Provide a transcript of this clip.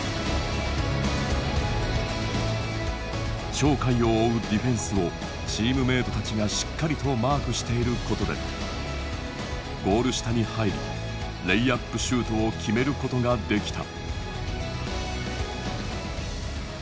鳥海を追うディフェンスをチームメートたちがしっかりとマークしていることでゴール下に入りレイアップシュートを決めることができた。